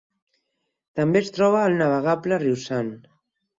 També es troba al navegable riu San.